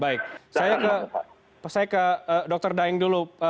baik saya ke dr daeng dulu